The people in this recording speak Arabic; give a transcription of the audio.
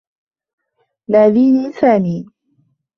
ناديني سامي.